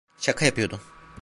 Şaka yapıyordum.